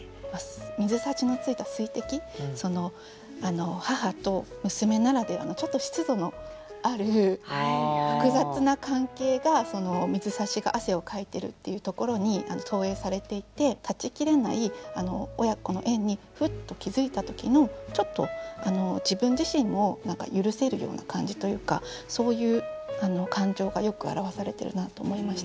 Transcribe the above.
水差しについた水滴その母と娘ならではのちょっと湿度のある複雑な関係が水差しが汗をかいてるっていうところに投影されていて断ち切れない親子の縁にふっと気付いた時のちょっと自分自身も許せるような感じというかそういう感情がよく表されてるなと思いました。